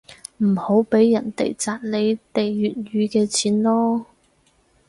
唔好畀人哋賺你哋粵語嘅錢囉